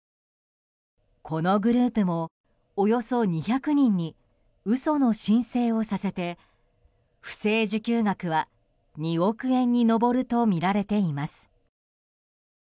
このグループもおよそ２００人に嘘の申請をさせて不正受給額は２億円に上るとみられています。